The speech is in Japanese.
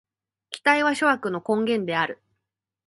期待は諸悪の根源である。